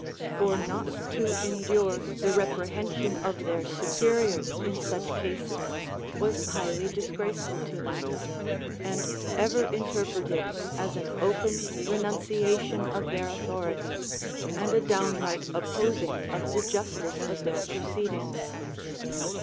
For not to endure the reprehension of their superiors in such cases was highly disgraceful to them, and ever interpreted as an open renunciation of their authority, and a downright opposing of the justice of their proceed ings.